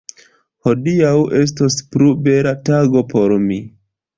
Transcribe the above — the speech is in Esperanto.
Hodiaŭ estos plua bela tago por mi.